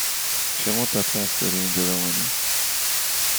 چه مدت قصد داری اینجا بمانی؟